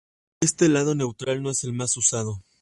Este lado Neutral no es el más usado.